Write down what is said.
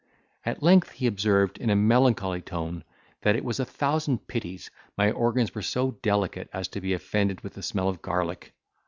At length he observed, in a melancholy tone, that it was a thousand pities my organs were so delicate as to be offended with the smell of garlic.